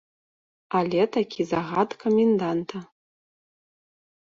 Але такі загад каменданта.